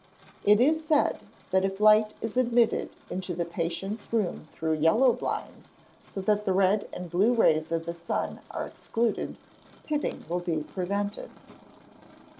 It is said that if light is admitted into the patient's room through yellow blinds, so that the red and blue rays of the sun are excluded, pitting will be prevented.